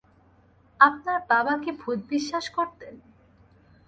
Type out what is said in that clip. আপনার বাবা কি ভূত বিশ্বাস করতেন?